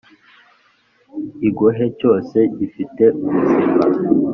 igohe cyose ngifite ubuzima